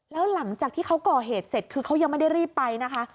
แล้วหลังจากที่เขาก่อเหตุเสร็จคือเขายังไม่ได้รีบไปนะคะ